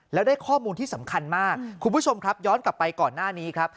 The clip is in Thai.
แล้วได้ข้อมูลที่สำคัญมากคุณผู้ชมครับย้อนกลับไปก่อนหน้านี้ครับ